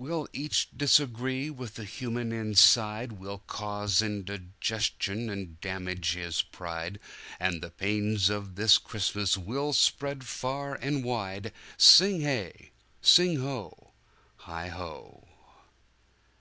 "We'll each disagree with the human inside, We'll cause indigestion and damage his pride, And the pains of this Christmas we'll spread far and wide!" Sing hey! sing ho! heigho!